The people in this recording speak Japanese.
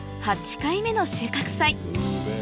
８回目の収穫祭